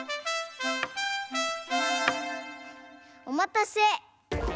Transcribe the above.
おまたせ。